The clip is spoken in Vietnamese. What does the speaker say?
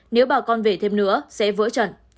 nếu bà con về thêm nữa sẽ vỡ trận